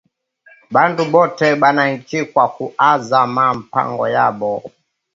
Bantu bote bana ichikiwa ku uza ma mpango yabo